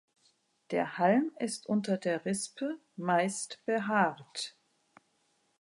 Der Halm ist unter der Rispe meist behaart.